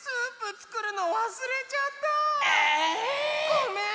ごめん！